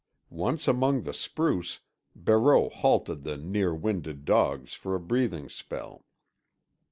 Once among the spruce, Barreau halted the near winded dogs for a breathing spell.